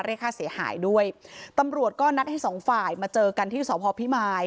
เรียกค่าเสียหายด้วยตำรวจก็นัดให้สองฝ่ายมาเจอกันที่สพพิมาย